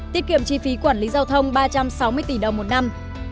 tiết kiệm chi phí quản lý giao thông ba trăm sáu mươi tỷ đồng một năm